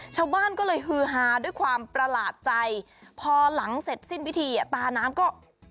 ชาวบ้านก็เลยฮือฮาด้วยความประหลาดใจพอหลังเสร็จสิ้นพิธีอ่ะตาน้ำก็